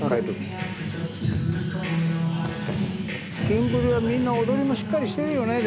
キンプリはみんな踊りもしっかりしてるよね。